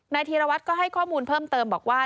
ธีรวัตรก็ให้ข้อมูลเพิ่มเติมบอกว่า